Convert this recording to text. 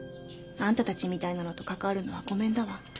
あんたたちみたいなのと関わるのはごめんだわ。